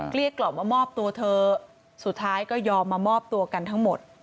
เรียกกล่อมว่ามอบตัวเธอสุดท้ายก็ยอมมามอบตัวกันทั้งหมด